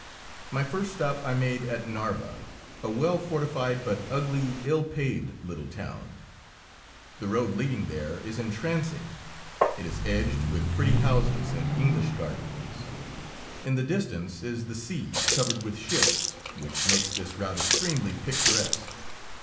My first stop I made at Narva, a well fortified but ugly, ill paved little town. The road leading there is entrancing; it is edged with pretty houses and English gardens; in the distance is the sea, covered with ships, which makes this route extremely picturesque.